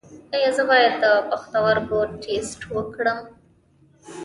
ایا زه باید د پښتورګو ټسټ وکړم؟